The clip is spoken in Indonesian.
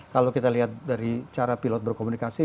kalau kita lihat dari cara pilot berkomunikasi